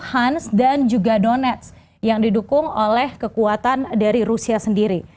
menempati wilayah luhans dan juga donetsk yang didukung oleh kekuatan dari rusia sendiri